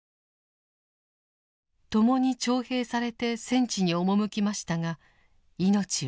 ともに徴兵されて戦地に赴きましたが命を落としました。